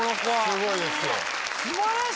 すごいですよ。